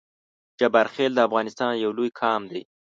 جبارخیل د افغانستان یو لوی قام دی